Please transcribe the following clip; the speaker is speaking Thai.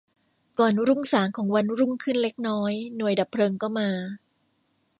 ก่อนรุ่งสางของวันรุ่งขึ้นเล็กน้อย หน่วยดับเพลิงก็มา